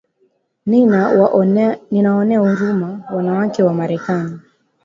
nina waonea huruma wanawake wa Marekani